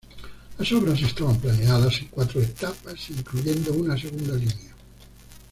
Las obras estaban planeadas en cuatro etapas incluyendo una segunda línea.